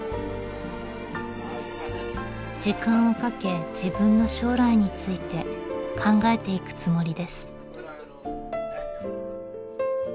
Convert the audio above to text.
時間をかけ自分の将来について考えていくつもりです。